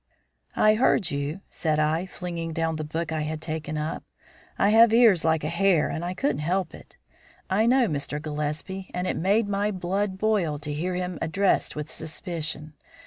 "I heard you," said I, flinging down the book I had taken up. "I have ears like a hare and I couldn't help it. I know Mr. Gillespie, and it made my blood boil to hear him addressed with suspicion.